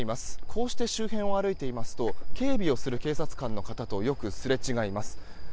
こうして周辺を歩いていますと警備をする警察官の方とよくすれ違います。